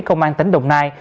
công an tỉnh đồng nai